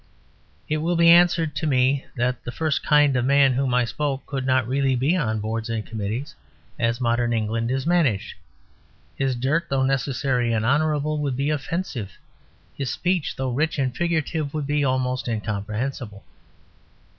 It will be answered to me that the first Kind of Man of whom I spoke could not really be on boards and committees, as modern England is managed. His dirt, though necessary and honourable, would be offensive: his speech, though rich and figurative, would be almost incomprehensible.